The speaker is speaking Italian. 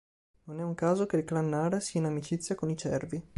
Non è un caso che il Clan Nara sia in amicizia con i cervi.